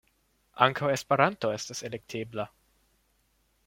Ankaŭ Esperanto estas elektebla.